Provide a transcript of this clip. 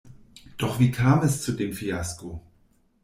Doch wie kam es zu dem Fiasko?